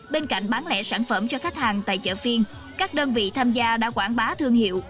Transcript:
bên cạnh bán lẻ sản phẩm cho khách hàng tại chợ phiên các đơn vị tham gia đã quảng bá thương hiệu